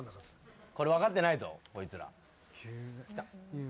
これ分かってないぞこいつら。